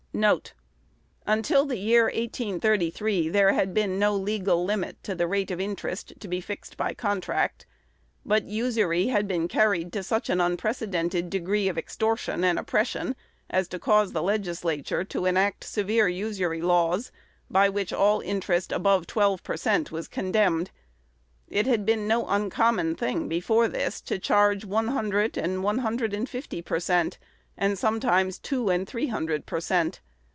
1 1 Until the year 1833 there had been no legal limit to the rate of interest to be fixed by contract. But usury had been carried to such an unprecedented degree of extortion and oppression as to cause the Legislature to enact severe usury laws, by which all interest above twelve per cent was condemned. It had been no uncommon thing before this to charge one hundred and one hundred and fifty per cent, and sometimes two and three hundred per cent.